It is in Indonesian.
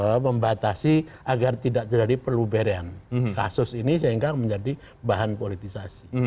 untuk membatasi agar tidak terjadi peluberian kasus ini sehingga menjadi bahan politisasi